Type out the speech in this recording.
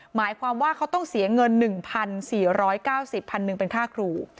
หมายความว่าเขาต้องเสียเงิน๑๔๙๐พันหนึ่งเป็นค่าครู